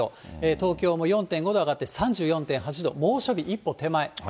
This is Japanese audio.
東京も４．５度上がって３４．８度、猛暑日一歩手前。